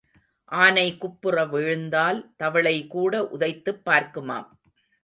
ஆனை குப்புற விழுந்தால் தவளைகூட உதைத்துப் பார்க்குமாம்.